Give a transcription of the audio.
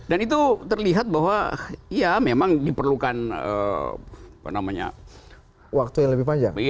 dan itu terlihat bahwa memang diperlukan waktu yang lebih panjang